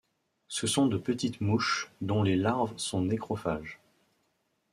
Ce sont de petites mouches dont les larves sont nécrophages.